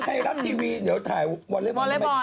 ใครรักทีวีเดี๋ยวถ่ายวอเล็บออนได้ไหม